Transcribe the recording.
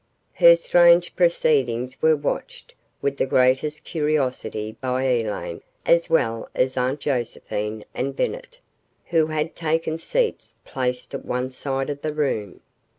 Her strange proceedings were watched with the greatest curiosity by Elaine as well as Aunt Josephine and Bennett, who had taken seats placed at one side of the room.